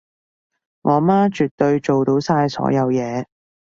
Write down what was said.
我媽絕對做到晒所有嘢